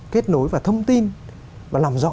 kết nối và thông tin và làm rõ